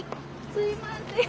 すいません。